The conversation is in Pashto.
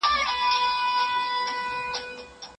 ما تر اوسه کوم ارزښتمن اثر نه دی چاپ کړی.